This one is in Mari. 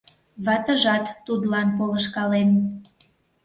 Ватыжат тудлан полышкален.